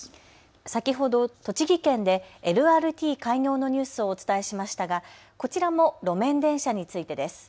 先ほど栃木県でＬＲＴ開業のニュースをお伝えしましたがこちらも路面電車についてです。